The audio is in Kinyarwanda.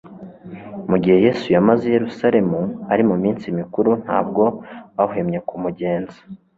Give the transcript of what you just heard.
Mu gihe Yesu yamaze i Yerusalemu ari mu minsi mikuru, ntabwo bahwemye kumugenza.